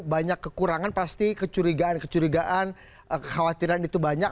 banyak kekurangan pasti kecurigaan kecurigaan kekhawatiran itu banyak